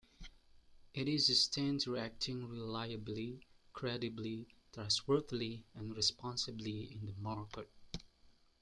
It is sustained through acting reliably, credibly, trustworthily and responsibly in the market.